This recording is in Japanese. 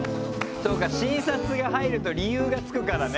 そっか診察が入ると理由がつくからね。